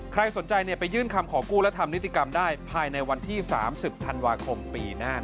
ใครสนใจไปยื่นคำขอกู้และทำนิติกรรมได้ภายในวันที่๓๐ธันวาคมปีหน้า